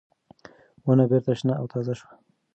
ونه بېرته شنه او تازه شوه.